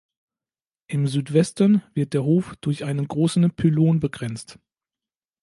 Im Südwesten wird der Hof durch einen großen Pylon begrenzt.